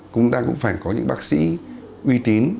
chúng ta cũng phải có những bác sĩ uy tín